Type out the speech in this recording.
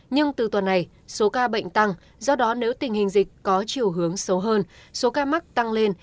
nhưng từ tuần này số ca bệnh tăng do đó nếu tình hình dịch có chiều hướng xấu hơn số ca mắc tăng lên